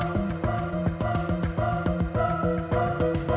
kita sekarang temen kamu ini